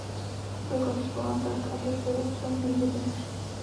Byl koncipován tak, aby byl co nejjednodušší.